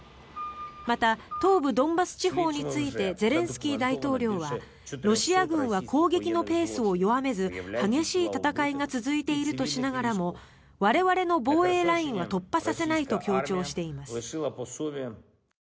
また、東部ドンバス地方についてゼレンスキー大統領はロシア軍は攻撃のペースを弱めず激しい戦いが続いているとしながらも我々の防衛ラインは突破させないと強調しています。